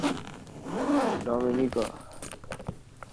Dominica